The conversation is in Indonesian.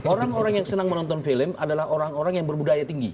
orang orang yang senang menonton film adalah orang orang yang berbudaya tinggi